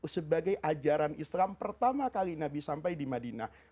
sebagai ajaran islam pertama kali nabi sampai di madinah